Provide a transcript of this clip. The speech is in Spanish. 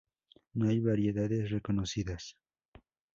No hay variedades reconocidas.